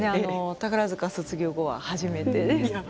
宝塚卒業後は初めてです。